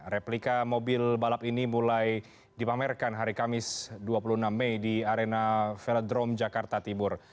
replika mobil balap ini mulai dipamerkan hari kamis dua puluh enam mei di arena velodrome jakarta tibur